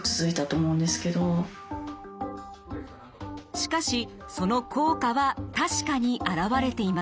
しかしその効果は確かに表れていました。